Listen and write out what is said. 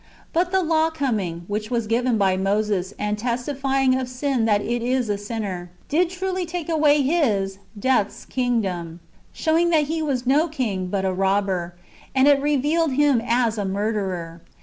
"^ But the law coming, which was given by Moses, and testifying of sin that it is a sinner, did truly take away his (death's) kingdom, showing that he was no king, but a robber ; and it revealed him as a murderer.